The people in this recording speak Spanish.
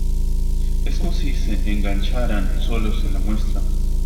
es como si se engancharan solos en la muestra.